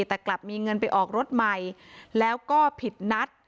แต่กลับมีเงินไปออกรถใหม่แล้วก็ผิดนัด